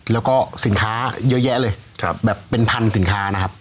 แล้วก็สินค้าเยอะแยะเลยแบบเป็นพันสินค้านะครับ